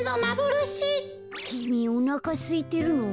きみおなかすいてるの？